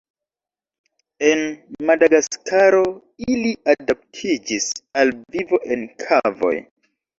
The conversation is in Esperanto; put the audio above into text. En Madagaskaro ili adaptiĝis al vivo en kavoj.